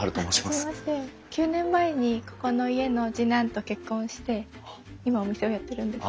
９年前にここの家の次男と結婚して今お店をやってるんです。